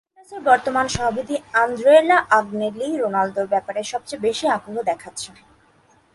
জুভেন্টাসের বর্তমান সভাপতি আন্দ্রেয়া আগনেল্লিই রোনালদোর ব্যাপারে সবচেয়ে বেশি আগ্রহ দেখাচ্ছেন।